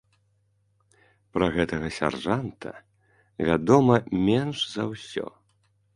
Пра гэтага сяржанта вядома менш за ўсё.